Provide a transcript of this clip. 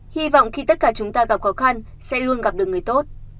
hy vọng khi tất cả chúng ta gặp khó khăn sẽ luôn gặp được người tốt